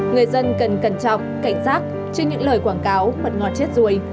người dân cần cẩn trọng cảnh giác trên những lời quảng cáo hoặc ngọt chết ruồi